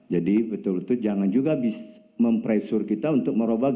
jadi betul betul jangan juga mempresur kita untuk meroboh